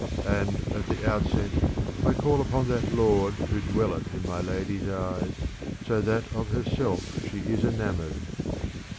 And, at the outset, I call upon that Lord who dwelleth in my lady's eyes, so that of herself she is enamoured.